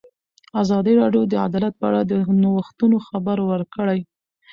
ازادي راډیو د عدالت په اړه د نوښتونو خبر ورکړی.